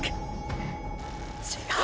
違う！